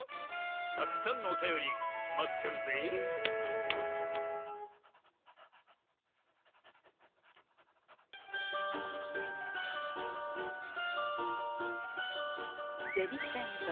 たくさんのおたよりまってるぜえ銭天堂。